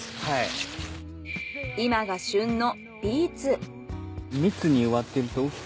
今が旬のビーツ。